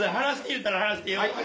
言うたら離してよ。